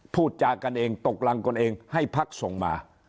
พูดจากันเองตกรังกันเองให้พักส่งมา